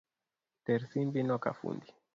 Ter simbi no ka fundi